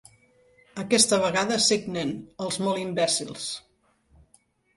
Aquesta vegada signen, els molt imbècils.